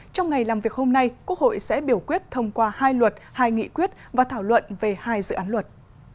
trong ngày làm việc hôm nay quốc hội sẽ biểu quyết thông qua hai luật hai nghị quyết và thảo luận về hai dự án luật